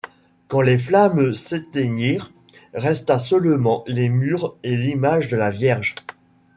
Quand les flammes s'éteignirent, resta seulement les murs et l'image de la Vierge.